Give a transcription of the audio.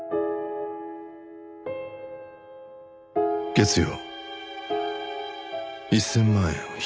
月曜１０００万円を引き出した日